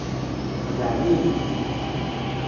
Txedɛem-iyi.